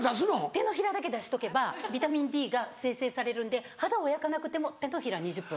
手のひらだけ出しとけばビタミンＤが生成されるんで肌を焼かなくても手のひら２０分。